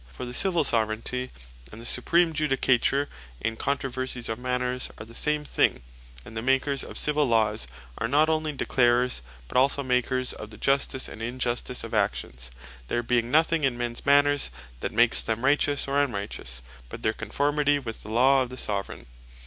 For the Civill Soveraignty, and supreme Judicature in controversies of Manners, are the same thing: And the Makers of Civill Laws, are not onely Declarers, but also Makers of the justice, and injustice of actions; there being nothing in mens Manners that makes them righteous, or unrighteous, but their conformity with the Law of the Soveraign.